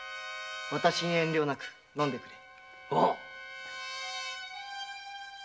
わたしに遠慮なく飲んでくれ。